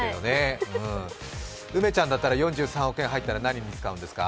梅ちゃんだったら４３億円入ったら何に使うんですか？